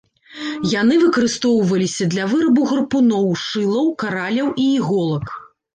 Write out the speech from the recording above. Яны выкарыстоўваліся для вырабу гарпуноў, шылаў, караляў і іголак.